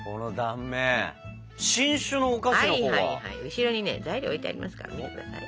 後ろにね材料置いてありますから見てください。